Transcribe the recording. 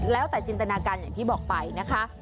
แล้วแต่จินตนาการอย่างที่บอกไปนะคะ